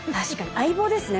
相棒ですね